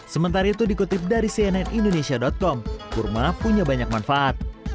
sementara itu dikutip dari cnn indonesia com kurma punya banyak manfaat